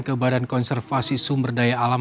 ke badan konservasi sumber daya alam